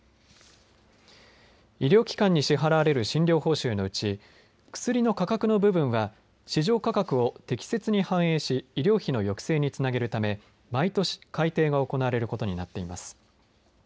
医療機関に支払われる診療報酬のうち薬の価格の部分は、市場価格を適切に反映し医療費の抑制につなげるため毎年、改定が行われることになっています。